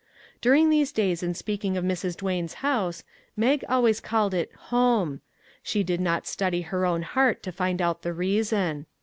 During these days in speaking of Mrs. Duane's house, Mag always called it " home." She did not study her own heart to find out the reason.